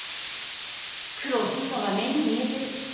苦労すんのが目に見えてる。